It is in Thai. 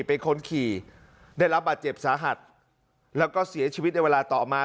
เป็นคนขี่ได้รับบาดเจ็บสาหัสแล้วก็เสียชีวิตในเวลาต่อมา